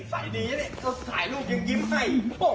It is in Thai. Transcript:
ใส่ดีนะเนี่ยสดสายลูกยังยิ้มให้